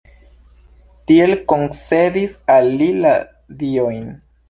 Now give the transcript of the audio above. Tiel koncedis al li la diojn.